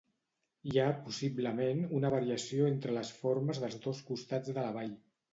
Hi ha possiblement una variació entre les formes dels dos costats de la vall.